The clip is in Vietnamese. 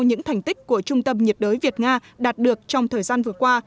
những thành tích của trung tâm nhiệt đới việt nga đạt được trong thời gian vừa qua